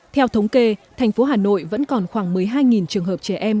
theo thống kê thành phố hà nội vẫn còn khoảng một mươi hai trường hợp trẻ em